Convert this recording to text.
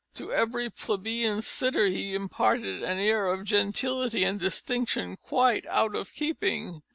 To every plebeian sitter he imparted an air of gentility and distinction quite out of keeping.